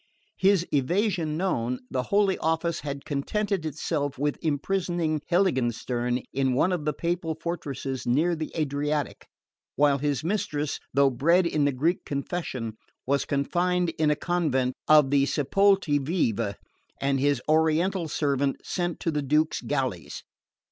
His evasion known, the Holy Office had contented itself with imprisoning Heiligenstern in one of the Papal fortresses near the Adriatic, while his mistress, though bred in the Greek confession, was confined in a convent of the Sepolte Vive and his Oriental servant sent to the Duke's galleys.